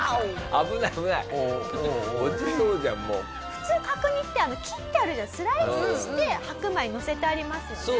普通角煮って切ってあるスライスして白米にのせてありますよね。